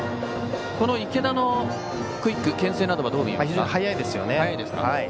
池田のクイック、けん制などは非常に早いですね。